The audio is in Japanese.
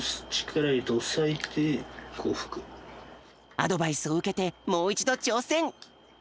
アドバイスをうけてもういちどちょうせん！